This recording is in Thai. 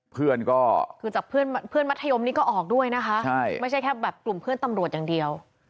เพื่อนก็คือจากเพื่อนมัธยมนี่ก็ออกด้วยนะคะไม่ใช่แค่แบบกลุ่มเพื่อนตำรวจอย่างเดียว